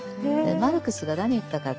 マルクスが何言ったか。